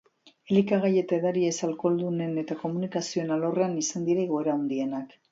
Elikagai eta edari ez alkoholdunen eta komunikazioen alorrean izan dira igoera handienak.